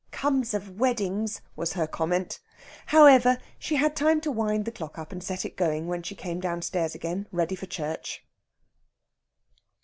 "Comes of weddings!" was her comment. However, she had time to wind the clock up and set it going when she came downstairs again ready for church.